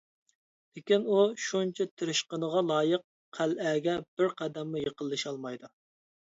لېكىن ئۇ شۇنچە تىرىشقىنىغا لايىق قەلئەگە بىر قەدەممۇ يېقىنلىشالمايدۇ.